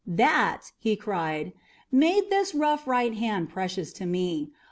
"That," he cried, "made this rough right hand precious to me.